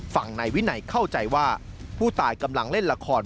ฝั่งนายวินัยเข้าใจว่าผู้ตายกำลังเล่นละคร